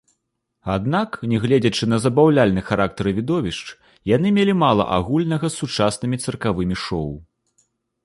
Аднак, нягледзячы на забаўляльны характар відовішч, яны мелі мала агульнага з сучаснымі цыркавымі шоў.